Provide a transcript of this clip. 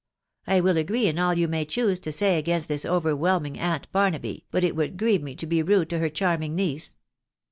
I will agree in all yoif may choose to say against this overwhelming aunt Barnaby, but it would grieve me to be rude to her charming niece.